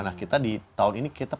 nah kita di tahun ini kita